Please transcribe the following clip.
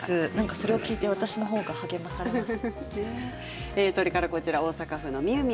それを聞いて私の方が励まされます。